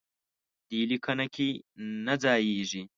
دې لیکنه کې نه ځایېږي.